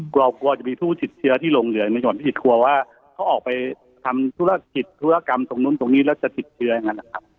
กลัวกลัวจะมีผู้ติดเชื้อที่ลงเหลือในส่วนวิกฤตกลัวว่าเขาออกไปทำธุรกิจธุรกรรมตรงนู้นตรงนี้แล้วจะติดเชื้ออย่างนั้นนะครับ